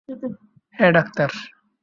হ্যাঁ, ডাক্তার।